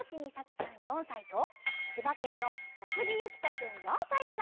ちゃん４さいとちばけんのこすぎゆきとくん４さいから。